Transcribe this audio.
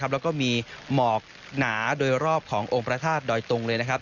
แล้วก็มีหมอกหนาโดยรอบขององค์พระธาตุดอยตุงเลยนะครับ